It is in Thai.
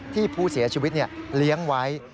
ที่ผู้เสียชีวิตเลี้ยงไว้